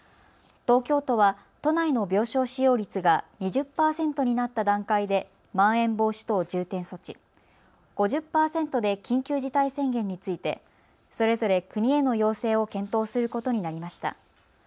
東京都は都内の病床使用率が２０％になった段階でまん延防止等重点措置、５０％で緊急事態宣言について、それぞれ国への要請を検討することになりました。